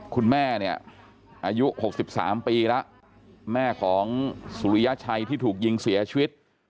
คุณแม่เนี่ยอายุ๖๓ปีแล้วแม่ของสุริยชัยที่ถูกยิงเสียชีวิต